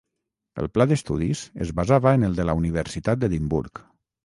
El pla d'estudis es basava en el de la Universitat d'Edimburg.